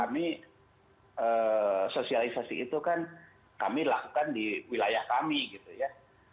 melakukan di wilayah kami gitu ya